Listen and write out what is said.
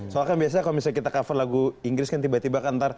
soalnya kan biasanya kalo misalnya kita cover lagu inggris kan tiba tiba ntar